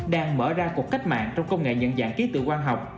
đang mở ra cuộc cách mạng trong công nghệ nhận dạng ký tự quan học